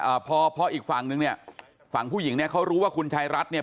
อ่าพอพออีกฝั่งนึงเนี่ยฝั่งผู้หญิงเนี้ยเขารู้ว่าคุณชายรัฐเนี่ย